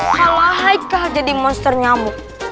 kalau hai kali jadi monster nyamuk